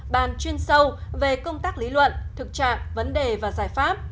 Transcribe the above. bàn chuyên sâu về công tác lý luận thực trạng vấn đề và giải pháp